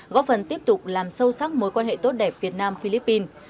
góp phần tiếp tục làm sâu sắc mối quan hệ tốt đẹp việt nam philippines